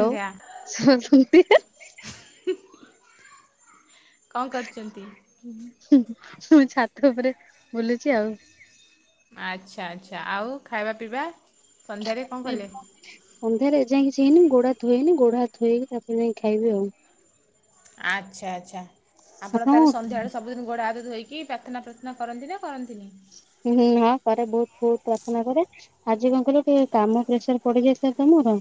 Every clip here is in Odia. ଲୋ। [unintelligible] ହୁଁ କଣ କରୁଛନ୍ତି? ଉଁ। ହୁଁ ମୁଁ ଛାତ ଉପରେ ବୁଲୁଛି ଆଉ। ଆଚ୍ଛା ଆଚ୍ଛା ଆଉ ଖାଇବା ପିଇବା। ଖା ସନ୍ଧ୍ୟାରେ କଣ କଲେ? ପିବା। ସନ୍ଧ୍ୟାରେ ଏ ଯାଏଁ କିଛି ହେଇନି ଗୋଡ ହାତ ଧୋଇନି ଗୋଡ, ହାତ ଧୋଇକି ତାପରେ ଯାଇଁ ଖାଇବି ଆଉ। ଆଚ୍ଛା ଆଚ୍ଛା ଆପଣ ତାହେଲେ ସନ୍ଧ୍ୟାବେଳେ ସ ବୁ ଦିନ ଗୋଡ, ହାତ ଧୋଇକି ପ୍ରାର୍ଥନା ପ୍ରାର୍ଥନା କରନ୍ତି ନା କରନ୍ତିନି। ଉଁ ହୁଁ ହଁ କରେ ବହୁତ ବହୁତ ପ୍ରାର୍ଥନା କରେ। ଆଜି କଣ କହିଲ ଟିକେ କାମ ପ୍ରେସର ପଡି ଯାଇଥିଲା ତ ମୋର।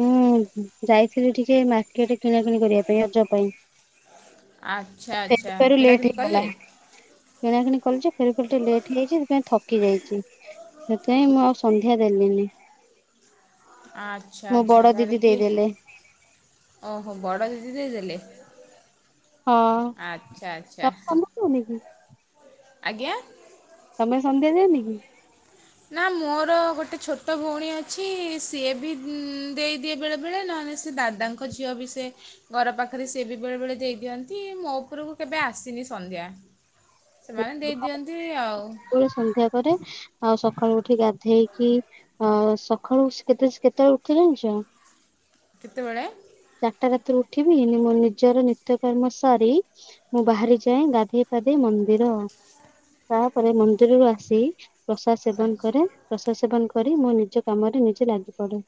ମୁଁ ଯାଇଥିଲି ଟିକେ ମାର୍କେଟ କିଣା କିଣି କରିବା ପାଇଁ ରଜ ପାଇଁ। ଆଚ୍ଛା ଆଚ୍ଛା କିଣାକିଣି କଲେ। କିଣା କିିଣି କଲି ଯେ ଫେରୁ ଫେରୁ ଟିକେ ଲେଟ୍ ହେଇଯାଇଛି ସେଥିପାଇଁ ଥକି ଯାଇଛି। ସେଥିପାଇଁ ମୁଁ ଆଉ ସନ୍ଧ୍ୟା ଦେଲିିନି। ଆଚ୍ଛା ବଡ ଆଚ୍ଛା ତାହାଲେ ଦିଦି କିଏ। ଦେଇଦେଲେ ଓହୋ ବଡ ଦିଦି ଦେଇଦେଲେ। ହଁ ଆଚ୍ଛା ଆଚ୍ଛା ତମେ ସନ୍ଧ୍ୟା ଦଅନି କି ଆଜ୍ଞା। ତମେ ସନ୍ଧ୍ୟା ଦିଅନି କି? ନା ମୋର ଗୋଟେ ଛୋଟ ଭଉଣୀ ଅଛି ସିଏ ବି ଇଁ ଦେଇଦିଏ ବେଳେ ବେଳେ ନହେଲେ ସେ ଦା ଦାଙ୍କ ଝିଅ ବି ସେ। ଘର ପାଖରେ ସିଏ ବି ବେଳେ ବେଳେ ଦେଇ ଦିଅନ୍ତି ମୋ ଉପରକୁ କେବେ ଆସିନି ସନ୍ଧ୍ୟା। ସେମାନେ ଦେଇ ଦିଅନ୍ତି ଆଉ। ସବୁବେଳେ ସନ୍ଧ୍ୟା ପରେ ଆଉ ସକାଳୁ ଉଠି ଗାଧେଇକି। ଅ ସକାଳୁ ସ କେତେ ସ କେତେ ଉଠି ଜାଣିଚ। କେତେବେଳେ? ଚାରିଟା ରାତିରୁ ଉଠିବି ମୋ ନିଜର ନିତ୍ୟକର୍ମ ସାରି ମୁଁ ବାହାରି ଯାଏ ଗାଧୋଇ ପାଧେଇ ମନ୍ଦିର ତାପରେ ମନ୍ଦିରରୁ ଆସି ପ୍ରସାଦ ସେବନ କରେ ପ୍ରସାଦ ସେବନ କରି ମୁଁ ନିଜ କାମରେ ନିଜେ ଲାଗି ପଡେ।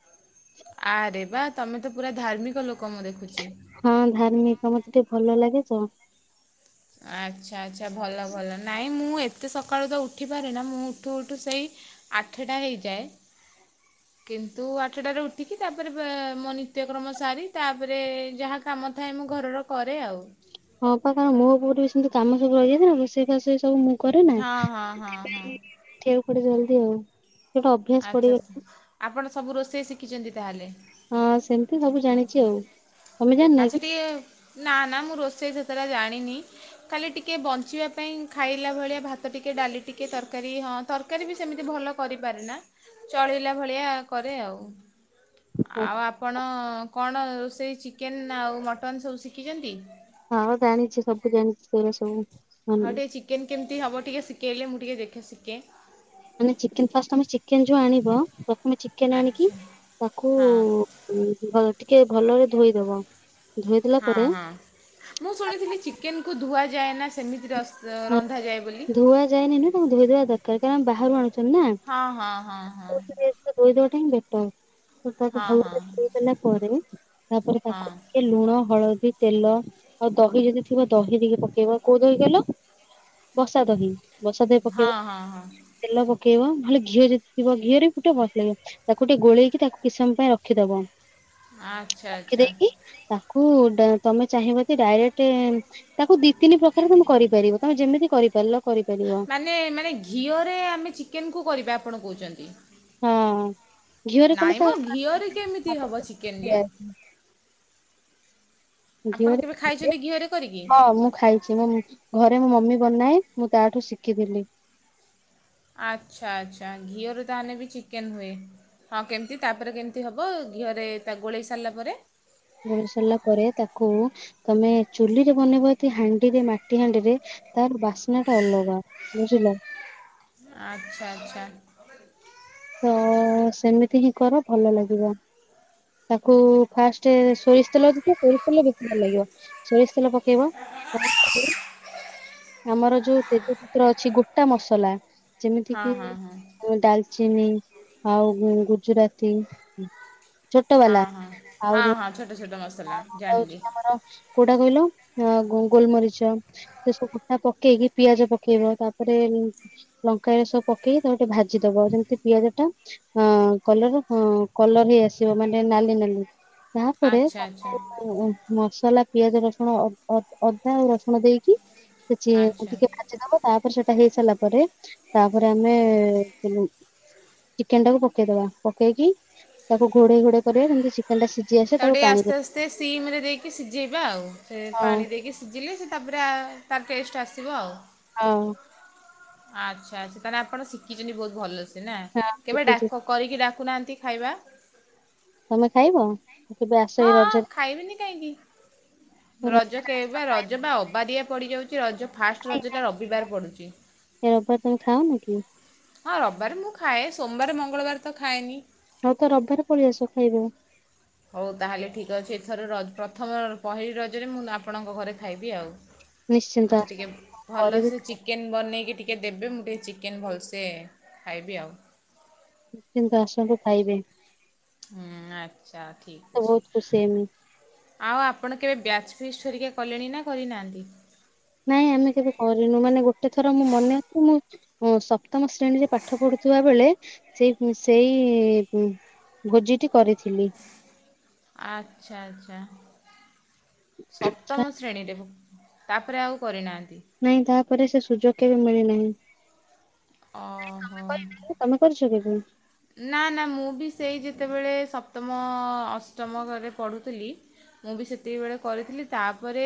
ଆରେ ବା ତମେ ତ ପୁରା ଧାର୍ମିକ ଲୋକ ମୁଁ ଦେଖୁଛି। ହଁ ଧାର୍ମିକ ମତେ ଟିକେ ଭଲ ଲାଗେଛ। ଆଚ୍ଛା ଆଚ୍ଛା ଭଲ ଭଲ ନାଇଁ ମୁଁ ଏତେ ସକାଳୁ ତ ଉଠିପାରେ ନା ମୁଁ ଉଠୁ ଉଠୁ ସେଇ ଆଠଟା ହେଇଯାଏ। ହ [unintelligible] କିନ୍ତୁ ଆଠଟାରେ ଉଠିକି ତାପରେ ମୋ ନିତ୍ୟକ୍ରମ ସାରି ତାପରେ ଯାହା କାମ ଥାଏ ମୁଁ ଘରର କରେ ଆଉ। ହଁ ବା କାରଣ ମୁୋଉଠି ବି ସେମତି କାମ ସବୁ ରହିଯାଇଏଥିଲା ମିଶେଇ ଫା ସେଇ ସବୁ ମୁ କରେ ନା ହଁ ହଁ ହଁ ହଁ ସେଥିପାଇଉଠିବାକୁ ପଡେ ଜଲଦି ଆଉ। ଗୋଟେ ଅଭ୍ୟାସ ପଡିଗଲା ଆଚ୍ଛାଛ ଆପଣ ସବୁ ରୋଷେଇ ଶିଖିଛନ୍ତି ତାହେଲେ? ହଁ ସେମିତି ସବୁ ଜାଣିଚି ଆଉ। ତମେ ଜାଣିନା ଆଚ୍ଛା ଟିକିେ ନା ନା ମୁଁ ରୋଷେଇ ସେତେଟ୍ଟା ଜାଣିନି। ଖାଲି ଟିକେ ବଞ୍ଚିବା ପାଇଁ ଖାଇଲା ଭଳିଆ ଭାତ ଟିକିେ ଡାଲି ଟିକେ ତରକାରୀ ହଅ ତରକାରୀ ବି ସେମିତି ଭଲ କରିପାରେ ନା ଚଳିଲା ଭଳିଆ କରେ ଆଉ। କି? ଆଉ ଆପଣ କଣ ରୋଷେଇ ଚିକେନ ନା ଆଉ ମଟନ ସବୁ ଶିଖିଛନ୍ତି? ହଁ ଜାଣିଛି ସବୁ ଜାଣିଛି ସେ ଉରା ସବୁ। ମାନେ ହଁ ଟିକେ ଚିକେନ କେମିତି ହବ ଟିକେ ଶିଖେଇଲେ ମୁଁ ଟିକେ ଦେଖେ ଶିଖେ। ମାନେ ଚିକେନ୍‌ ଫାଷ୍ଟ ଆମେ ଚିକେନ ଯୋଉ ଆଣିବ ପ୍ରଥମେ ଚିକେନ ଆଣିକି ଆଚ୍ଛା ତାକୁ ହଁ ଟିକେ ଭଲରେ ଧୋଇଦବ। ଧୋଇଦେଲା ହଁ ପରେ ହଁ ମୁଁ ଶୁଣିଥିଲି ଚିକେନକୁ ଧୁଆଯାଏ ନା ସେମିତି ରସ ହ ରନ୍ଧାଯାଏ ବୋଲି। ଧୁଆ ଯାଏନି ନା ତାକୁ ଧୋଇଦବା ଦରକାର କାରଣ ବାହାରୁ ଆଣୁଛନ୍ତି ନା। ହଁ ହଁ ହଁ ହଁ। ଦଇ ଦଟା ହିଁ ବେଟର ତାକୁ ହଁ ହଁ ଭଲରେୋଇ ଧୋଇଦେଲା ପରେ ତାପରେ ହଁ ତାକୁ ଟିକ ଲୁଣ ହଳଦୀ ତେଲ ଆଉ ଦହି ଯଦି ଥିବ ଦହି ଟିକ ପକେଇବ କୋଉ ଦହି କଇଲ ବସାଦହି ବସାଦ ଦି ପକେଇବ ହଁ ହଁ ହଁ ତେଲ ପକେଇବ ଭଲ ଘିଅ ଯଦି ଥିବ ଘିଅରେ ଗୋଟେ ଭଲ ଲାଗିବ ତାକୁ ଟିକେ ଗୋଳେଇକି ତାକୁ କିଛି ସମମୟ ପାଇଁ ରଖିଦବ। ଆଚ୍ଛା ଆଚ୍ଛା। ରଖିଦେଇକି ତାକୁ ତମେ ଚାହିଁବ ଯଦି ଡାଇରେକ୍ଟ ତାକୁ ଦି ତିନି ପ୍ରକାର ତମେ କରିପାରିବ ତମେ ଯେମିତି କରିପାରିଲ କରିପାରିବ। ମେ ମାନେ ଘିଅରେ ଆମେ ଚିକେନ୍କୁ କରିବା ଆପଣ କହୁଛନ୍ତି ହଁ ଘଝିଅରେ କଲେ ନାଇଁ ମ ତା ଘିଅରେ କେମିତି ହେବ ଚିକେନ୍ ଯେ [unintelligible] ଆପଣ ଘିଅରେ କେବେ କଲେ ଖାଇଛନ୍ତି ଘିଅରେ କରିକି? ହଁ ମୁଁ ଖାଇଛି। ସେ ମ ଘରେ ମୋ ମମି ବନାଏ ମୁଁ ତା ଠୁ ଶିଖିଥିଲି। ଆଚ୍ଛା ଆଚ୍ଛା ଘିଅରୁ ତାାହାଲେ ବି ଚିକେନ ହୁଏ। ହଁ କେମିତି ତାପରେ କେମିତି ହେବ ଘିଅରେ ତା ଗୋଳେଇ ସାରିଲା ପରେ? ଗୋଳି ସାରିଲା ପରେ ତାକୁ ତମେ ଚୁଲି ରେ ବନେଇବ ହାଣ୍ଡିରେ ମାଟି ହାଣ୍ଡିରେ ତାର ବାସ୍ନା ଟା ଅଲଗା ବୁଝିଲ। ଆଚଛା ଆଚଛା। ତ ସେମିତି ହିଁ କର ଭଲ ଲାଗିବ। ତାକୁ ଫାଷ୍ଟ ସୋରିଷ ତେଲ ଯଛି ସୋରିଷ ତେଲ ବେଶୀ ଭଲ ଲାଗିବ ସୋରିଷ ତେଲ ପ ଆମର ଯୋଉ ତେଜପତ୍ର ଅଛି ଗୋଟା ମସଲା ଯେମିତି ହଁ ହଁ ହଁ କିି ଡାଲଚିନି ଆଉ ଗୁଜୁରାତି ଛୋଟ ବାଲା ହଁ ହଁ ଆଉ ହଁ ହଁ ଛୋଟ ଯୋଉ ଆମର ଛୋଟ ମସଲା ଜାଣିଲି [unintelligible] କୋଉଟା କହିଲ ହଁ ଗୋ -ଗୋଲମରିଚ ସେ ସବୁ ଗୁଟା ପକେଇକି ପିଆଜ ପକେଇବ ତାପରେ ଲଙ୍କା ଏସ ପକେଇ ତାକୁ ଟିକେ ଭାଜିଦବ ଯେମିତି ଯେମିତି ପିଆଜ ଟା ଅ କଲର କଲର ହେଇ ଆସିବ ମାନେ ନାଲି ନାଲି ତାପରେ ଆଚ୍ଛା ତାକୁ ଆଚ୍ଛା ମାନେ ଏ ମସଲା ପିଆଜ, ରସୁଣ, ଅଦା, ରସୁଣ ଅ-ଅ- ଅଦା ଆଉ ରସୁଣ ଦେଇକି ସେ ଚେ କୁ ଆଚ୍ଛା ଟିକେ ଭାଜିଦବ [unintelligible] ତାପରେ ସେଟା ହେଇ ସାରିଲା ପରେ ତାପରେ ଆମେ ଚିକେନ୍ ଟାକୁ ପକେଇଦବା ପକେଇକି ତାକୁ ଘୋଡେଇ ଘୋଡେଇ କରିବା ଯେମିତି ଚିକେନ୍ ଟା ସି ତାକୁ ଟିକେ ଆସ୍ତେ ଆସ୍ତେ ସିମ୍ ରେ ଦେଇକି ସିଝେଇବା ଆଉ ସେ ହଁ ପାଣି ଦେଇକି ସିଝିଲେ ସେ ତାପରେ ଆ ତାର ଟେଷ୍ଟ ଆସିବ ଆଉ। ହଁ। ଆଚ୍ଛା ଆଚ୍ଛା ତାହେଲେ ଆପଣ ଶିଖିଛନ୍ତି ବହୁତ୍ ଭଲସେ ନା ହଁ କେବେ ଶିଖିଛି ଡାକ କରିକି ଡାକୁ ନାହାନ୍ତି ଖାଇବା। ତମେ ଖାଇବ କାଇଁ କେବେ ଆସ ହଁ ଏଇ ହଁ ରଜରେ ଖାଇବିନି କାହିଁକି ରଜରେ ରଜ କେବା ଆସ ପା ଖାଇବା ରଜ ବା ଅବାରିଆ ପଡ଼ିଯାଉଛି ରଜ ଫାଷ୍ଟ ପାଇଁ ରଜଟା ରବିବାର ପଡ଼ୁଛି। ଏ ରବିବାର ତମେ ଖାଅ ନା କି? ହଁ ରବିବାର ମୁଁ ଖାଏ ସୋମବାର ମଙ୍ଗଳବାର ତ ଖାଏନି। ହଉ ତ ରବିବାରେ ପଳେଇ ଆସ ଖାଇଦେବେ। ହଉ ତାହେଲେ ଠିକ୍ ଅଛି ଏଥର ର ପ୍ରଥମ ପହିଲି ରଜରେ ମୁଁ ଆପଣଙ୍କ ଘରେ ଖାଇବି ଆଉ। ନିଶ୍ଚିନ୍ତ ମତେ ଆସ ଟିକେ ଭଲ କରିବି ସେ ଚି ଚିକେନ୍ ବନେଇକି ଟିକିଏ ଦେବେ ମୁଁ ଟିକେ ଚିକେନ୍ ଭଲ୍ ସେ ଖାଇବି ଆଉ। କିନ୍ତୁ ଆସନ୍ତୁ ଖାଇବେ। ହୁଁ ଆଚ୍ଛା ଠିକ୍ ତ ଅଛି। ବହୁତ ଖୁସି ହେମି ଆଉ ଆପଣ କେବେ ବ୍ୟାଚ୍ ଫିଷ୍ଟ୍ ଘରିକା କଲେଣି ନା କରିନାହାଁନ୍ତି? ନାଇଁ ଆମେ କେବେ କରିନୁ ମାନେ ଗୋଟେ ଥର ମୁଁ ମନାକଲି ହଁ ସପ୍ତମ ଶ୍ରେଣୀରେ ପାଠ ପଢୁଥିବା ବେଳେ ସେଇ ସେଇ [unintelligible] ଭୋଜିଟି କରିଥିଲି। ଆଚ୍ଛା ଆଚ୍ଛା ସପ୍ତମ ଶ୍ରେଣୀରେ ଭୁ ତାପରେ ଆଉ କରିନାହାନ୍ତି। ନାଇଁ ତାପରେ ସେ ସୁଯୋଗ କେବେ ମିଳିନାହିଁ। ଓହୋ। କରିନାହିଁ, ତମେ କରିଛ କେବେ? ନା ନା ମୁଁ ବି ସେଇ ଯେତେବେଳେ ସପ୍ତମ, ଅଷ୍ଟମ ଘରେ ପଢ଼ୁଥିଲି ମୁଁ ବି ସେତିକିବେଳେ କରିଥିଲି ତାପରେ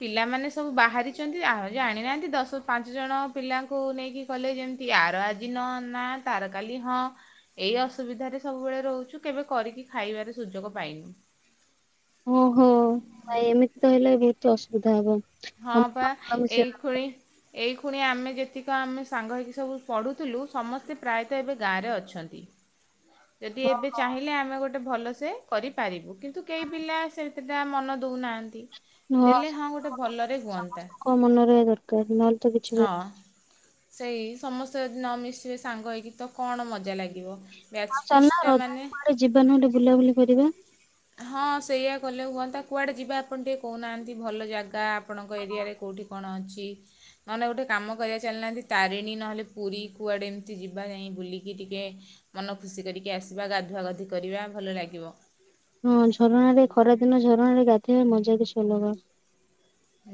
ପିଲାମାନେ ସବୁ ବାହାରିଛନ୍ତି ଆଉ ଜାଣିନାହାନ୍ତି ଦଶ ପାଞ୍ଚ ଜଣ ପିଲାଙ୍କୁ ନେଇକି କଲେ ଜେମ ଆର ଆଜି ନ ନାଁ ତାର କାଲି ହଁ। ଏଇ ଅସୁବିଧାରେ ସବୁବେଳେ ରହୁଛୁ କେବେ କରିକି ଖାଇବାରେ ସୁଯୋଗ ପାଇନୁ। ଓ ହୋ ଭାଇ ଏମିତି ତ ହେଲେ ବହୁତ୍ ଅସୁବିଧା ହବ। ହଁ ପା ସମସ୍ତଙ୍କ ମନ ମିଶିବା ଏଇଖୁଣୀ ଏଇ ଖୁଣି ଆମେ ଯେତିକ ଆମେ ସାଙ୍ଗ ହେଇକି ସବୁ ପଢ଼ୁଥିଲୁ ସମସ୍ତେ ପ୍ରାୟତଃ ଏବେ ଗାଁରେ ଅଛନ୍ତି। ଯଦି ଏବେ ଦରକାର। ଚାହିଁ ଲେ ଆମେ ଗୋଟେ ଭଲ ସେ କରିପାରିବୁ କିନ୍ତୁ କେହି ପିଲା ସେତଟା ମନ ଦଉନାହାନ୍ତି ଦେଲେ ହଁ ଗୋଟେ ଭଲରେ ହୁଅନ୍ତା ସମସ୍ତଙ୍କ ମନରେ ଦରକାର ନହେଲେ ତ କିଛି ବି ହଁ। ସେଇ ସମସ୍ତେ ଯଦି ନ ମିିଶିବେ ସାଙ୍ଗ ହେଇକି ତ କଣ ମଜା ଲାଗିବ। ବ୍ୟାଚ୍ ଆଉ ଚାଲୁନ ଫିଷ୍ଟ୍ ଟା ରଜରେ ମାନେ? କୁଆଡେ ଯିବା ନହେଲେ ବୁଲାବୁଲି କରିବା। ହଁ ସେଇଆ କଲେ ହୁଅନ୍ତା କୁଆଡ଼େ ଯିବା ଆପଣ ଟିକେ କହୁନାହାଁନ୍ତି ଭଲ ଜାଗା ଆ ଆପଣଙ୍କ ଏରିଆରେ କୋଉଠି କଣ ଅଛି। ନ ହେଲେ ଗୋଟେ କାମ କରିବା ଚାଲୁ ନାହାଁନ୍ତି ତାରିଣୀ ନ ହେଲେ ପୁରୀ କୁଆଡ଼େ ଏମିତି ଯିବା ଯାଇଁ ବୁଲିକି ଟିକେ ମନ ଖୁସି କରିକି ଆସିବା ଗାଧୁଆ ଗାଧି କରିବା ଭଲ ଲାଗିବ। ହଁ ଝରଣା ରେ ଖରା ଦିନ ଝରଣା ରେ ଗାଧେଇବା ମଜା କିଛି ଅଲଗା।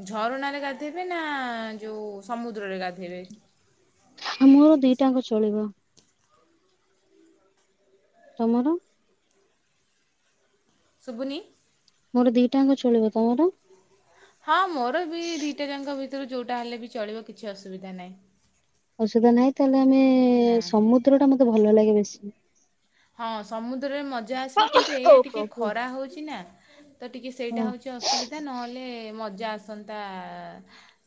ଝରଣା ରେ ଗାଧେଇବେ ନା ଯୋଉ ସମୁଦ୍ର ରେ ଗାଧେଇବେ? ହଁ ମୋର ଦିଟା ଙ୍କ ଚଳିବ। ତମର? ଶୁଭୁନି। ମୋର ଦିଟା ଙ୍କ ଚଳିବ ତମର? ହଁ ମୋର ବି ଦିଟା ଯାଙ୍କ ଭିତରୁ ଯୋଉଟା ହେଲେ ବି ଚଳିବ କିଛି ଅସୁବିଧା ନାହିଁ। ଅସୁବିଧା ନାହିଁ ତାହେଲେ ଆମେ ନା ସମୁଦ୍ର ଟା ମତେ ଭଲ ଲାଗେ ବେଶୀ। ହଁ ସମୁଦ୍ର ରେ ମଜା ଆସିବ କିନ୍ତୁ ଓ ଏଇଆ ଟିକେ ପ୍ରଭୁ। ଖରା ହଉଛି ନା ତ ଟିକେ ସେଇଟା ହଁ ହଉଛି ଟିକେ ଅସୁବିଧା ନ ହେଲେ ମଜା ଆସନ୍ତା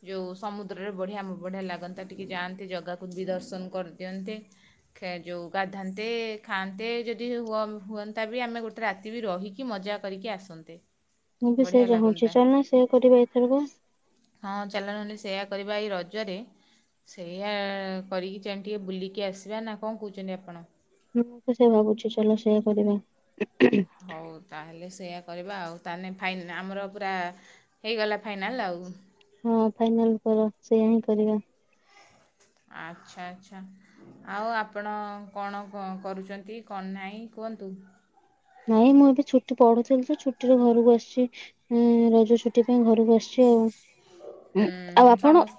ଯୋଉ ସମୁଦ୍ର ରେ ବଢ଼ିଆ ମ ବଢ଼ିଆ ଲାଗନ୍ତା ଟିକେ ଯାଆନ୍ତେ ଜାଗାକୁ ବି ଦର୍ଶନ କରି ଦିଅନ୍ତେ। ଖେ ଯୋଉ ଗାଧାନ୍ତେ ଖାଆନ୍ତେ ଯଦି ହୁଅନ ହୁଅନ୍ତା ବି ଆମେ ଗୋଟେ ରାତି ବି ରହିକି ମଜା କରିକି ଆସନ୍ତେ। ମୁଁ ବି ବଢ଼ିଆ ସେଇଆ ଚାହୁଁଛି ଲାଗନ୍ତା ଚାଲୁନ ସେଇଆ କରିବା ଏଥରକ। ହଁ ଚାଲ ନ ହେଲେ ସେଇଆ କରିବା ଏଇ ରଜରେ ସେଇଆ କରିକି ଯାଇଁ ଟିକେ ବୁଲିକି ଆସିବା ନା କଣ କହୁଛନ୍ତି ଆପଣ? ମୁଁ ତ ସେଇଆ ଭାବୁଛି ଚାଲ ସେଇୟା କରିବା। ହଉ ତା ହେଲେ ସେଇଆ କରିବା ଆଉ ତା ହେଲେ ଫାଇନ୍ ଆମର ପୁରା ହେଇଗଲା ଫାଇନାଲ୍ ଆଉ। ହଁ ଫାଇନାଲ୍ କର ସେଇୟା ହିଁ କରିବା। ଆଚ୍ଛା ଆଚ୍ଛା। ଆଉ ଆପଣ କଣ କ କରୁଛନ୍ତି କଣ ନାହିଁ କୁହନ୍ତୁ? ନାଇଁ ମୁଁ ଏବେ ଛୁଟି ପଢୁଥିଲି ତ ଛୁଟିରେ ଘରକୁ ଆସିଛି। ହୁଁ ରଜ ଛୁଟି ପାଇଁ ଘରକୁ ଆସିଛି ଆଉ ହୁଁ ଆଉ ଆପଣ?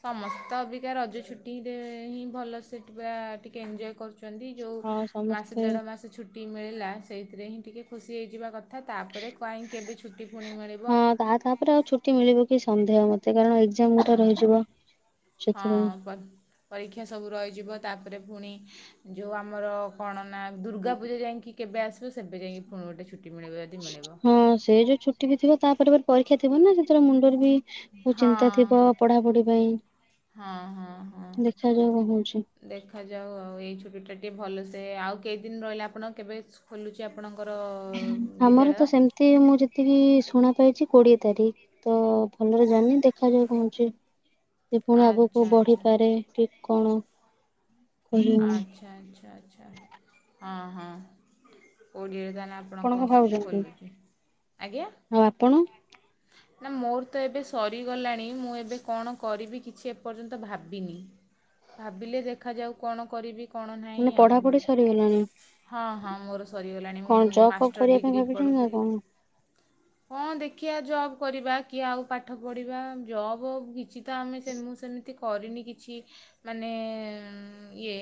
ସମସ୍ତେ ତ ଅବିକା ରଜ ଛୁଟିରେ ହିଁ ଭଲ ସେ ପୁରା ଟିକେ ଏଞ୍ଜୟ୍ କରୁଛ ଛନ୍ତି ଯୋଉ ହଁ ମାସେ ସମସ୍ତେ ଦେଢ ମାସେ ଛୁଟି ମିଳିଲା ସେଇଥିରେ ହିଁ ଟିକେ ଖୁସି ହେଇଯିବା କ ଥା ତାପରେ କାଇଁ କେବେ ଛୁଟି ପୁଣି ମିଳିବ। ହଁ ତା ତାପରେ ଆଉ ଛୁଟି ମିଳିବ କି ସନ୍ଦେହ ମତେ କାରଣ ଏକ୍ଜାମ୍ ଗୋଟେ ହଁ ରହିଯିବ। ହଁ ସେଥିପାଇଁ। ବ ପରୀକ୍ଷା ସବୁ ରହିଯିବ ତାପରେ ପୁଣି ଯୋଉ ଆମର କଣ ନା ଦୁର୍ଗାପୂଜା ଯାଇଁକି କେବେ ଆସିବ ସେବେ ଯାଇଁ କି ପୁଣି ଗୋଟେ ଛୁଟି ମିଳିବ ଯଦି ମିଳିବ। ହଁ ସେଇ ଯୋଉ ଛୁ ଛୁଟି ବି ଥିବ ତା ପରେ ପରେ ପରୀକ୍ଷା ଥିବ ନା ସେଥିରେ ମୁଣ୍ଡରେ ବି ହଁ ବହୁତ ଚିନ୍ତା ଥିବ ପଢାପଢି ହଁ ପାଇଁ ହଁ ହଁ ଦେଖାଯାଉ କଣ ହଉଛି। ଦେଖାଯାଉ ଆଉ ଏଇ ଛୁଟି ଟା ଟିକେ ଭଲ ସେ ଆଉ କେଇଦିନ ରହିଲା ଆପଣ କେବେ ସ୍କୁ ଖୋଲୁଛି ଆପଣଙ୍କର ବିଦ୍ୟାଳୟ? ଏତେ ମୁଁ ଯେତିକି ଶୁଣା ପାଇଛି କୋଡିଏ ତାରିଖ ତ ଭଲରେ ଜାଣିନି ଦେଖାଯାଉ କଣ ହଉଛି ସେ ପୁଣି ଆଗକୁ ଆଚ୍ଛା ଆଚ୍ଛା ବଢିପାରେ ଠିକ୍ କଣ? କହିହଉନି ଆଚ୍ଛା ଆଚ୍ଛା ଆଚ୍ଛା ହଁ ହଁ କୋଡ଼ିଏ ତାହେଲେ ଆ ଆପଣ ଆପଣଙ୍କ କଣ ଭାବୁଛନ୍ତି ଖୋଲିକି ଆଜ୍ଞା ଆଉ ଆପଣ ନା ମୋର ତ ଏବେ ସରିଗଲାଣି ମୁଁ ଏବେ କଣ କରିବି କିଛି ଏପର୍ଯ୍ୟନ୍ତ ଭାବିନି ଭାବିଲେ ଦେଖାଯାଉ କଣ କରିବି କଣ ମାନେ ନାହିଁ ଆଉ। ପଢାପଢି ସରିଗଲାଣି। ହଁ ହଁ ମୋର ସରିଗଲାଣି ମୁଁ କଣ ମୁଁ ଜବ୍ ଫବ୍ ମାଷ୍ଟର କରିବା ପାଇଁ ଡିଗ୍ରୀ ଭାବିଛନ୍ତି ନା ପଢ଼ୁଥିଲି। କଣ? କଁ ଦେଖିଆ ଜବ୍ କରିବା କି ଆଉ ପାଠ ପଢିବା ଜବ୍ କିଛି ତ ଆମେ ସେ ମୁଁ ସେମିତି କରିନି କିଛି ମାନେ ଇଏ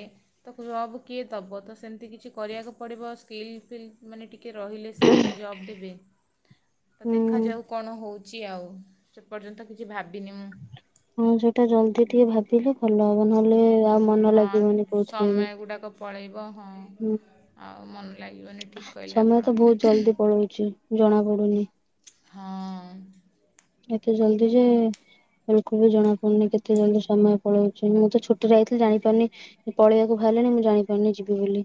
ତ ଜବ୍ କିଏ ଦବ ତ ସେମତି କିଛି କରିବାକୁ ପଡ଼ିବ ସ୍କିଲ୍ ଫିଲ୍ ମାନେ ଟିକେ ରହିଲେ ସିନା କିଏ ଜବ୍ ଦେବେ ତ ହୁଁ। ଦେଖାଯାଉ କଣ ହଉଚି ଆଉ ସେପର୍ଯ୍ୟନ୍ତ କିଛି ଭାବିନି ମୁଁ। ହଁ ସେଟା ଜଲଦି ଟିକେ ଭାବ ବିଲେ ଭଲ ହବ ନହେଲେ ଆଉ ମନ ହଁ ଲାଗିବନି କୋଉଥିରେ ବି ସମୟ ଗୁଡ଼ାକ ପଳେଇବ ହଁ ହୁଁ। ଆଉ ମନ ଲାଗିବନି ଠିକ୍ କହିଲେ ସମୟ ଆପଣ ତ ବହୁତ୍ ଜଲଦି ପଳଉଚି ଜଣା ପଡୁନି। ହଁ। ଏତେ ଜଲଦି ଯେ ବିଲକୁଲ୍ ଜଣାପଡୁନି କେତେ ଜଲଦି ସମୟ ପଳଉଚି ମୁଁ ତ ଛୁଟିରେ ଆଇଥିଲି ଜାଣିପାରିନି କି ପଳେଇଆକୁ ଭାରିଲିଣି ମୁଁ ଜାଣି ପାରୁନି ଯିବି ବୋଲି।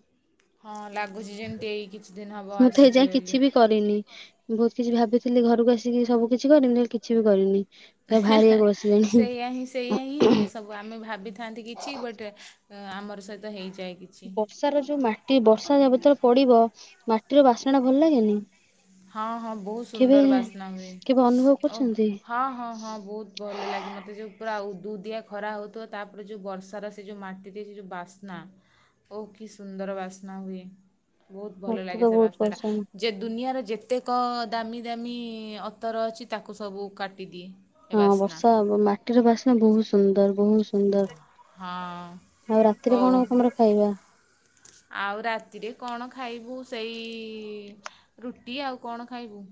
ହଁ ଲାଗୁଛି ଯେମିତି ଏଇ କିଛି ଦିନ ହେବ ମୁଁ ତ ଆସିଛେ ଏଇଯାଏ ବୋଲି କିଛି ବି କରିନି। ବହୁତ କିଛି ଭାବିଥିଲି ଘରୁକୁ ଆସିକି ସବୁ କିଛି କରିମି ଦେଖ କିଛି ବି କରିନି। ହେଁ ହେଁ ବାହାରିବାକୁ ବସିଲିଣି ସେଇଆ ହିଁ ସେଇଆ ହିଁ ହୁଏ ସବୁ ଆମେ ଭାବିଥାନ୍ତି କିଛି ବଟ୍ ଆମର ସହିତ ହେଇଯାଏ କିଛି। ବର୍ଷାର ଯୋଉ ମାଟି ବର୍ଷା ଯେବେତଳେ ପଡିବ ମାଟିର ବାସ୍ନା ଟା ଭଲ ଲାଗେନି? ହଁ ହଁ ବହୁତ କେବେ ସୁନ୍ଦର ବାସ୍ନା ହୁଏ କେବେ ଅନୁଭବ ଓଃ କରିଛନ୍ତି? ହଁ ହଁ ହଁ ବହୁତ ଭଲ ଲାଗେ ମୋତେ ଯୋଉ ପୁରା ଉଦୁ ଉଦିଆ ଖରା ହଉଥିବ ତାପରେ ଯୋଉ ବର୍ଷାର ସେ ଯୋଉ ମାଟିରେ ସେ ଯୋଉ ବାସ୍ନା ଓଃ କି ସୁନ୍ଦର ବାସ୍ନା ହୁଏ ବହୁତ ଭଲ ମତେ ଲାଗେ ତ ସେ ବହୁତ ବାସ୍ନା ଟା। ପସନ୍ଦ ଯେ ଦୁନିଆର ଯେତେକ ଦାମୀ ଦାମୀ ଅତର ଅଛି ତାକୁ ସବୁ କାଟିଦିଏ। ଏ ହଁ ବାସ୍ନା ବର୍ଷା ହବ ମାଟିର ବାସ୍ନା ବହୁତ ସୁନ୍ଦର ବହୁ ସୁନ୍ଦର ହଁ ଆଉ ରାତିରେ ହଉ କଣ ତମର ଖାଇବା? ଆଉ ରାତିରେ କଣ ଖାଇବୁ ସେଇ ରୁଟି ଆଉ କଣ ଖାଇବୁ।